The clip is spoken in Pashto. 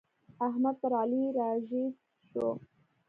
احمد پر علي را ږيز شو.